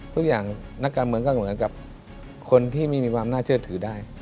นักการเมืองก็เหมือนกับคนที่ไม่มีความน่าเชื่อถือได้